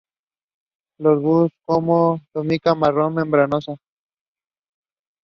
Los bulbos con túnica marrón membranosa.